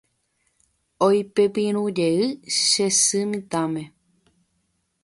Oipepirũjey che sy mitãme.